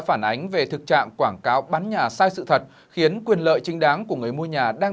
phần khúc căn hộ trung cấp giảm ba mươi bảy năm